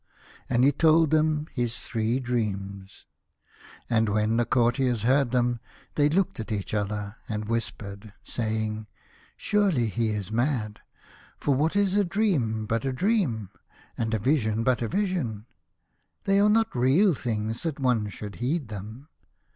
And he told them his three dreams. And when the cour tiers heard them they f looked at each other and whispered, saying : "Surely he is mad; for nvhat is a dream but a dream, and a vision but a vision ? They are not real things that one should heed them.